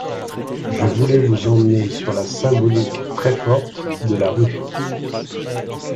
Je voulais vous emmener sur la symbolique, très forte, de la rue.